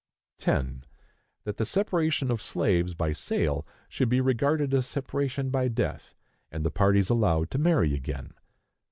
10. That the separation of slaves by sale should be regarded as separation by death, and the parties allowed to marry again.